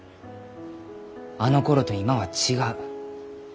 あのころと今は違う。